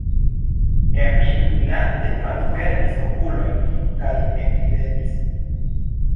Emil lante malfermis okulojn kaj ekridetis.